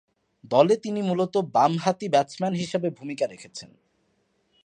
দলে তিনি মূলতঃ বামহাতি ব্যাটসম্যান হিসেবে ভূমিকা রেখেছেন।